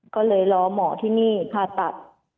ก็เลยรอหมอที่นี่ผ่าตัด